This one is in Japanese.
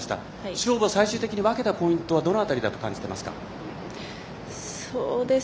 勝負を最終的に分けたポイントはどの辺りだと感じていますか？